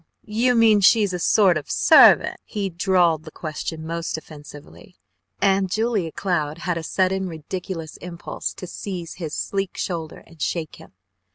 You mean she's a sort of sehvant?" He drawled the question most offensively, and Julia Cloud had a sudden ridiculous impulse to seize his sleek shoulder and shake him.